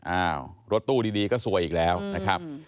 อ้าวรถตู้ดีก็ซวยอีกแล้วนะครับ